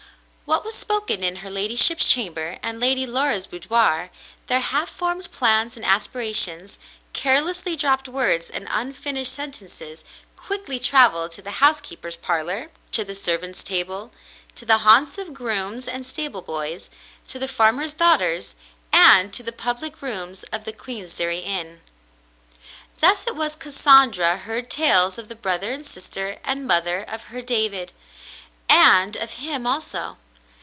What was spoken in her ladyship's chamber and Lady Laura's boudoir — their half formed plans and aspira tions — carelessly dropped words and unfinished sentences — quickly travelled to the housekeeper's parlor — to the servant's table — to the haunts of grooms and stable boys — to the farmer's daughters — and to the public rooms of the Queensderry Inn. Thus it was Cassandra heard tales of the brother and sister and mother of her David, and of him also.